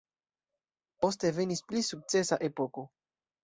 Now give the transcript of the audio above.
Poste venis pli sukcesa epoko.